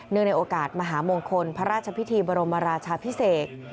ในโอกาสมหามงคลพระราชพิธีบรมราชาพิเศษ